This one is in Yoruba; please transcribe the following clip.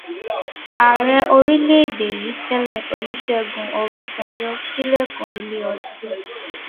Ààrẹ orílẹ̀ èdè yìí tẹ́lẹ̀, Olúṣẹ́gun Ọbásanjọ́, sílẹ̀kùn ilé ọtí.